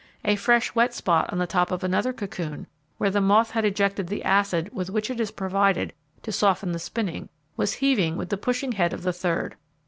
A fresh wet spot on the top of another cocoon, where the moth had ejected the acid with which it is provided to soften the spinning, was heaving with the pushing head of the third.